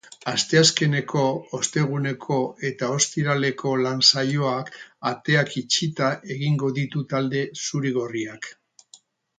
Asteazkeneko, osteguneko eta ostiraleko lan-saioak ateak itxita egingo ditu talde zuri-gorriak.